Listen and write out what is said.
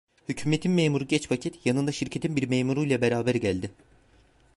Hükümetin memuru geç vakit, yanında şirketin bir memuruyla beraber geldi.